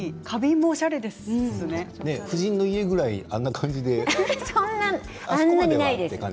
夫人の家ぐらいあんなに。